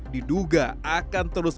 diduga akan terus